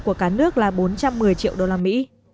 của cả nước là bốn trăm một mươi triệu usd